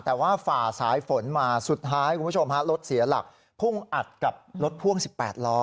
แต่ว่าฝ่าสายฝนมาสุดท้ายคุณผู้ชมฮะรถเสียหลักพุ่งอัดกับรถพ่วง๑๘ล้อ